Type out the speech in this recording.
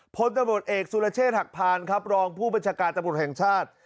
พลตำรวจเอกสุรเชษฐหักพานครับรองผู้บัญชาการตำรวจแห่งชาติ